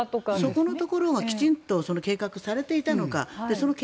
そこのところがどう計画されていたのか。